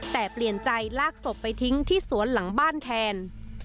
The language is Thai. แต่เปลี่ยนใจลากศพไปทิ้งที่สวนหลังบ้านแทน